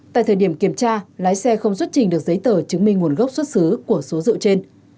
tại thời điểm kiểm tra lái xe không xuất trình được giấy tờ chứng minh nguồn gốc xuất xứ của số rượu trên